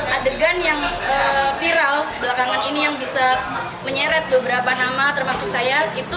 adegan yang viral belakangan ini yang bisa menyeret beberapa nama termasuk saya